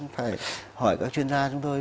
phải hỏi các chuyên gia chúng tôi